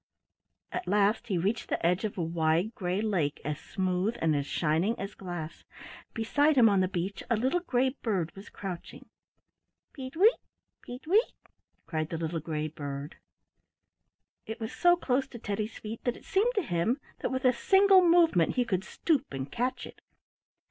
At last he reached the edge of a wide gray lake as smooth and as shining as glass. Beside him on the beach a little gray bird was crouching. "Peet weet! peet weet!" cried the little gray bird. It was so close to Teddy's feet that it seemed to him that with a single movement he could stoop and catch it.